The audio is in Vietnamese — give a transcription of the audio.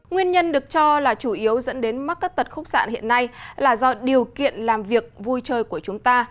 nguyên nhân được cho là chủ yếu dẫn đến mắc cất tật khúc xạ hiện nay là do điều kiện làm việc vui chơi của chúng ta